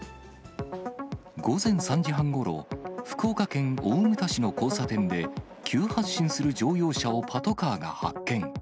午前３時半ごろ、福岡県大牟田市の交差点で、急発進する乗用車をパトカーが発見。